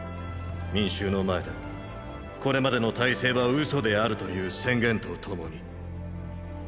民衆の前でこれまでの体制は嘘であるという宣言とともに。